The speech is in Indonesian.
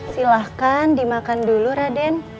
silahkan dimakan dulu raden